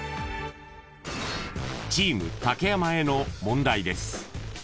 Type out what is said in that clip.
［チーム竹山への問題です］